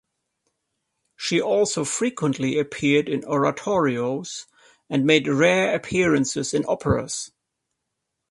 She also frequently appeared in Oratorios and made rare appearances in Operas.